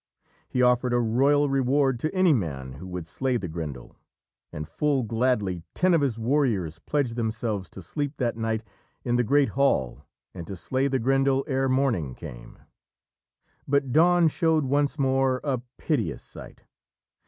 He offered a royal reward to any man who would slay the Grendel, and full gladly ten of his warriors pledged themselves to sleep that night in the great hall and to slay the Grendel ere morning came. But dawn showed once more a piteous sight.